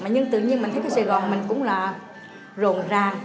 nhưng tự nhiên mình thấy cái sài gòn mình cũng là rộn ràng